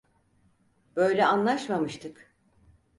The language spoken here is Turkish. Böyle anlaşmamıştık.